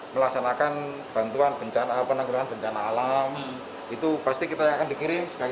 melaksanakan bantuan bencana penanggulangan bencana alam itu pasti kita akan dikirim sebagai